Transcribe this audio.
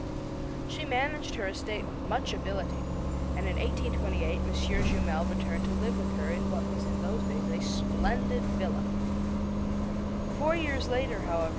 She managed her estate with much ability; and in 1828 M. Jumel returned to live with her in what was in those days a splendid villa. Four years later, however, M.